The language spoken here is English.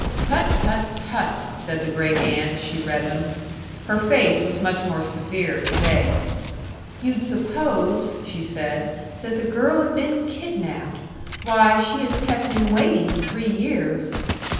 "Tut, tut, tut!" said the great aunt as she read them. Her face was much more severe to day. "You'd suppose," she said, "that the girl had been kidnapped! Why, she has kept him waiting three years!"